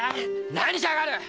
何しやがる！